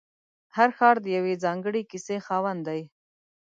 هر ښار د یوې ځانګړې کیسې خاوند دی.